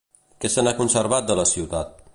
Què se n'ha conservat de la ciutat?